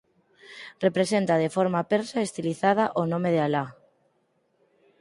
Representa de forma persa estilizada o nome de Alá.